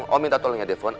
om minta tolong ya depon